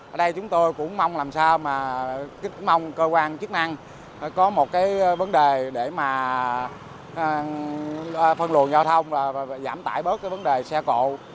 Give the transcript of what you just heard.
ở đây chúng tôi cũng mong làm sao mà mong cơ quan chức năng có một cái vấn đề để mà phân luận giao thông và giảm tải bớt cái vấn đề xe cộ